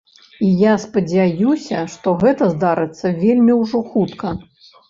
І я спадзяюся, што гэта здарыцца вельмі ўжо хутка.